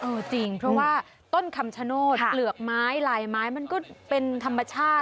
จริงเพราะว่าต้นคำชโนธเปลือกไม้ลายไม้มันก็เป็นธรรมชาติ